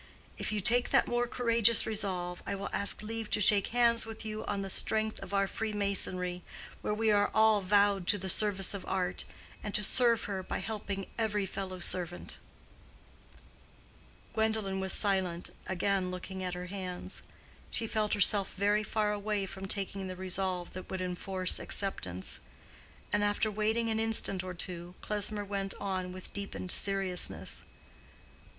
If you take that more courageous resolve I will ask leave to shake hands with you on the strength of our freemasonry, where we are all vowed to the service of art, and to serve her by helping every fellow servant." Gwendolen was silent, again looking at her hands. She felt herself very far away from taking the resolve that would enforce acceptance; and after waiting an instant or two, Klesmer went on with deepened seriousness.